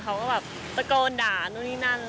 เขาก็แบบตะโกนด่านู่นนี่นั่น